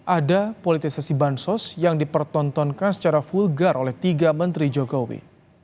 ada politisasi bansos yang dipertontonkan secara vulgar oleh tiga menteri jokowi